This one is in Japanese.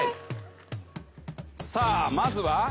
さあまずは。